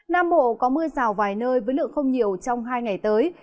nam bộ có mưa rào vài nơi với lượng không nhiều trong hai ngày tới